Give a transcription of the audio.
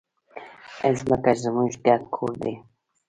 ځمکه زموږ ګډ کور دی.